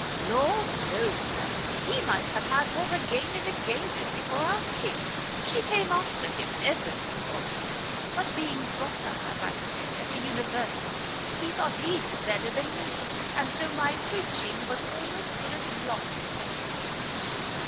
"Lord, no, Sir! he might have had her again and again only for asking! She came after him ever so often; but being brought up, as I said, at the university, he thought he knew better than me, and so my preaching was all as good as lost upon him."